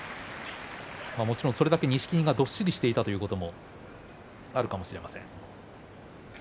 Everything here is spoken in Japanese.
もちろん、それだけ錦木がどっしりしていたということもあるかもしれません。